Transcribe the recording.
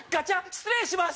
失礼します！